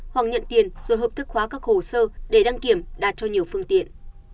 hoặc nhận tiền rồi hợp thức hóa các hồ sơ để đăng kiểm đạt cho nhiều phương tiện